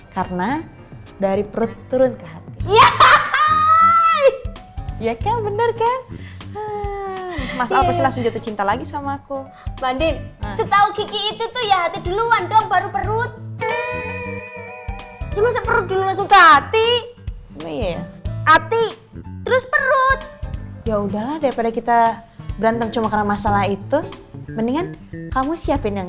kejapan bukain pintu gue